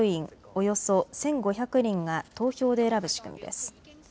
およそ１５００人が投票で選ぶ仕組みです。